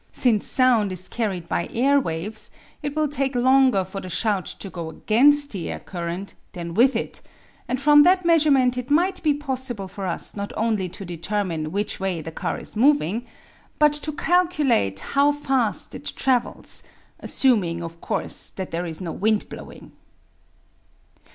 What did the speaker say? Since sound is carried by air waves it will take longer for the shout to go against the air current than with it, and from that measure ment it might be possible for us not only to determine which way the car is moving but how to calculate how fast it travels, assuming, of course, that there is no wind blowing."